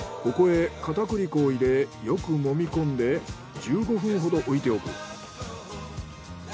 ここへ片栗粉を入れよくもみ込んで１５分ほど置いておく。